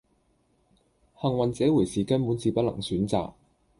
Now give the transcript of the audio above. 幸運這回事根本是不能選擇